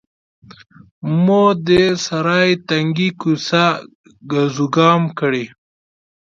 مو د سرای تنګې کوڅې ګزوګام کړې.